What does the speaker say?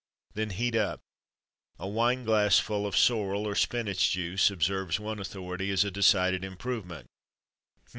Then heat up. "A wine glassful of sorrel or spinach juice," observes one authority, "is a decided improvement."